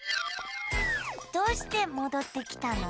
どうしてもどってきたの？